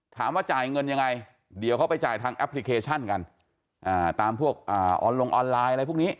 ถามว่าจ่ายเงินยังไงเดี๋ยวเขาไปจ่ายทางแอปพลิเคชันกันตามพวกลงออนไลน์อะไรพวกนี้